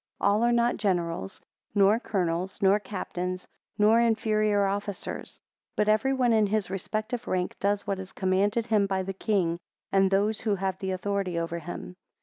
26 All are not generals, nor colonels, nor captains, nor inferior officers: 27 But everyone in his respective rank does what is commanded him by the king, and those who have the authority over him.